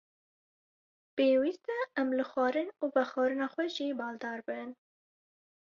Pêwîst e em li xwarin û vexwarina xwe jî baldar bin.